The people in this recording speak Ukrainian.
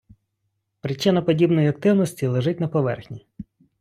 Причина подібної активності лежить на поверхні.